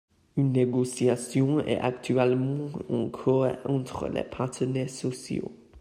Une négociation est actuellement en cours entre les partenaires sociaux.